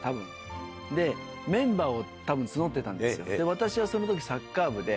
私はその時サッカー部で。